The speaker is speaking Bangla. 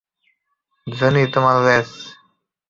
জনি, তোমার লেজ!